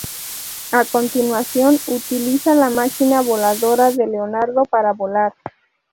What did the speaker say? A continuación, utiliza la máquina voladora de Leonardo para volar.